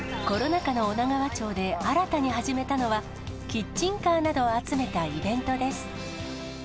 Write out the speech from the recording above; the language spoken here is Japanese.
コロナ禍の女川町で新たに始めたのは、キッチンカーなどを集めたイベントです。